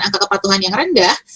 angka kepatuhan yang rendah